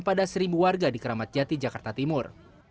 pada seribu warga di keramat jati jakarta timur